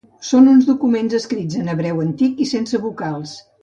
Són uns documents escrits en hebreu antic i sense vocals.